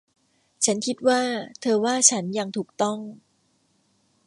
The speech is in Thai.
ฉันคิดว่าเธอว่าฉันอย่างถูกต้อง